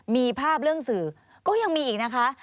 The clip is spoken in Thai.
มีภาพเรื่องสื่อก็ยังมีอีกนะคะ